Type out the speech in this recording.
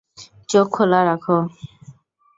চোখ খোলা রাখো।